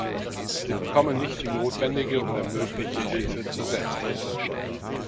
Sie bekommen nicht die notwendige oder mögliche Hilfe zur Selbsthilfe.